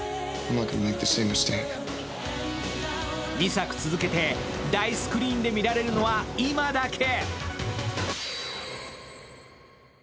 ２作続けて大スクリーンで見られるのは今だけ。